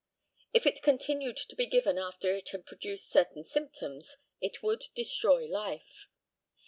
If it continued to be given after it had produced certain symptoms it would destroy life.